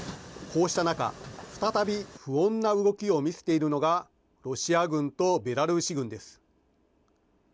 こうした中、再び不穏な動きを見せているのがロシア軍とベラルーシ軍です。